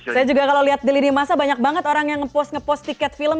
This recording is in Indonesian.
saya juga kalau lihat di lidia masa banyak banget orang yang nge post nge post tiket film